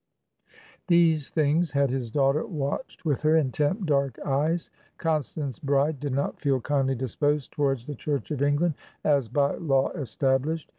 These things had his daughter watched with her intent dark eyes; Constance Bride did not feel kindly disposed towards the Church of England as by law established.